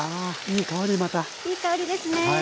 いい香りですね。